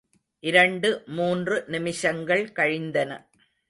இரண்டு மூன்று நிமிஷங்கள் கழிந்தன.